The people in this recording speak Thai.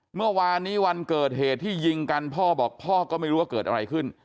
เมื่อวานนี้วันเกิดเหตุที่ยิงกันพ่อบอกพ่อก็ไม่รู้ว่าเกิดอะไรขึ้น